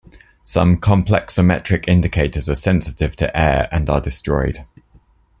Some complexometric indicators are sensitive to air and are destroyed.